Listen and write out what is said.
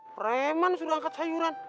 freman sudah angkat sayuran